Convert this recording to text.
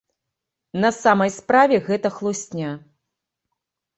На самай справе гэта хлусня.